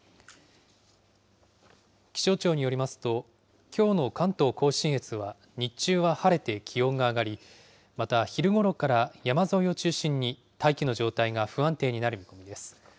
気象庁によりますと、きょうの関東甲信越は日中は晴れて気温が上がり、また、昼ごろから山沿いを中心に大気の状態が不安定になる見込みです。